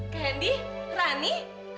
eh kendi rani